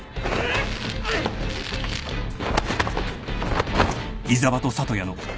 あっ。